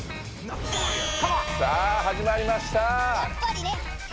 さあはじまりました。